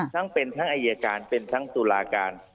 ทั้งเป็นทั้งอายการเป็นทั้งตุลาการ